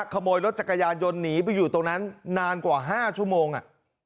ขโมยรถจักรยานยนต์หนีไปอยู่ตรงนั้นนานกว่า๕ชั่วโมง